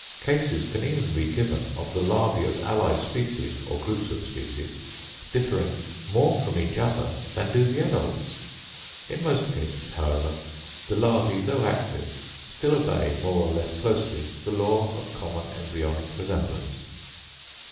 Cases can even be given of the larvæ of allied species, or groups of species, differing more from each other than do the adults. In most cases, however, the larvæ, though active, still obey, more or less closely, the law of common embryonic resemblance.